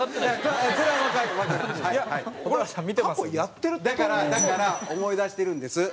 蛍原：だから、だから！思い出してるんです。